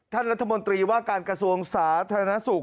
รัฐมนตรีว่าการกระทรวงสาธารณสุข